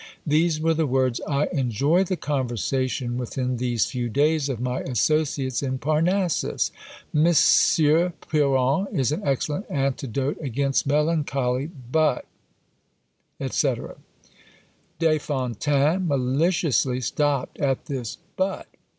These were the words: "I enjoy the conversation within these few days of my associates in Parnassus. Mr. Piron is an excellent antidote against melancholy; but" &c. Des Fontaines maliciously stopped at this but.